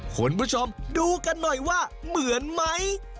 คุณผู้ชมดูกันหน่อยว่าเหมือนไหม